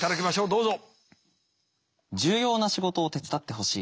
どうぞ！